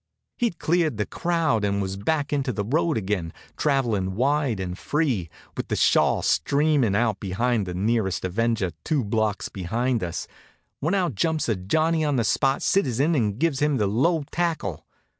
He'd cleared the crowd and was back into the road again, travelin' wide and free, with the shawl streamin' out behind and the nearest avenger two blocks behind us, when out jumps a Johnny on the spot citizen and gives him the low tackle.